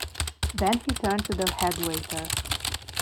Then he turned to the head waiter.